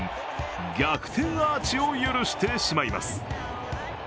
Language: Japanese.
逆転アーチを許してしまいます。